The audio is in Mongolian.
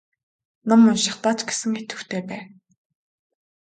Ном уншихдаа ч гэсэн идэвхтэй бай.